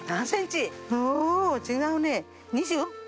お違うね。